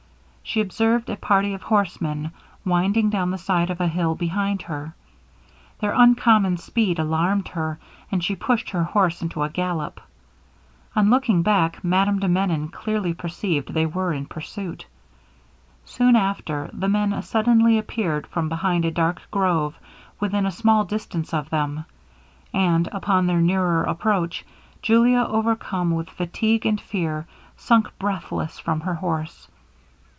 She observed a party of horsemen winding down the side of a hill behind her. Their uncommon speed alarmed her, and she pushed her horse into a gallop. On looking back Madame de Menon clearly perceived they were in pursuit. Soon after the men suddenly appeared from behind a dark grove within a small distance of them; and, upon their nearer approach, Julia, overcome with fatigue and fear, sunk breathless from her horse.